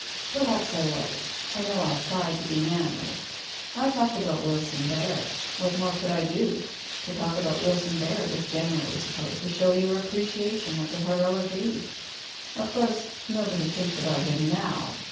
"Perhaps I was. I know I tried to be manly. I talked about Wilson Barrett. What more could I do? To talk about Wilson Barrett is generally supposed to show your appreciation of the heroic age. Of course nobody thinks about him now.